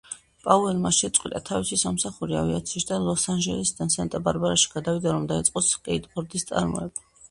პაუელმა შეწყვიტა თავისი სამსახური ავიაციაში და ლოს-ანჯელესიდან სანტა-ბარბარაში გადავიდა, რომ დაეწყო სკეიტბორდის წარმოება.